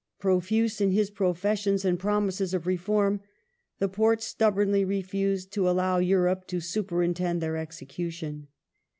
Profuse in his professions and promises of reform, the Porte stubbornly refused to allow Europe to superintend their execution.